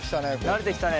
慣れてきたね。